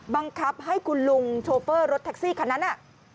บังคับให้คุณลุงโชเฟอร์รถแท็กซี่คันนั้นน่ะ